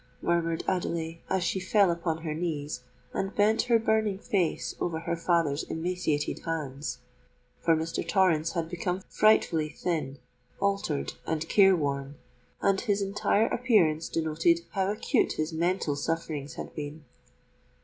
murmured Adelais, as she fell upon her knees, and bent her burning face over her father's emaciated hands:—for Mr. Torrens had become frightfully thin—altered—and care worn,—and his entire appearance denoted how acute his mental sufferings had been.